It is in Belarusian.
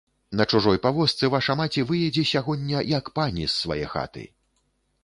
На чужой павозцы ваша маці выедзе сягоння, як пані, з свае хаты!